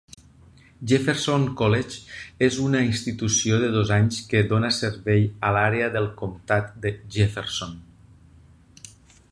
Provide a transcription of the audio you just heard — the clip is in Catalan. Jefferson College és una institució de dos anys que dóna servei a l'àrea del comtat de Jefferson.